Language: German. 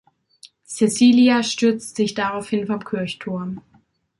Cecilia stürzt sich daraufhin vom Kirchturm.